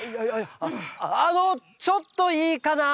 あのあのちょっといいかな？